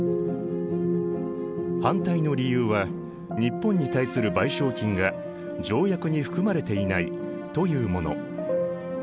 反対の理由は日本に対する賠償金が条約に含まれていないというもの。